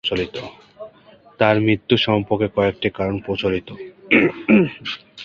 তার মৃত্যু সম্পর্কে কয়েকটি কারণ প্রচোলিত।